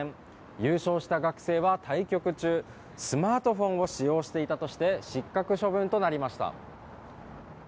優勝した学生は対局中、スマートフォンを使用していたとして失格処分となりました。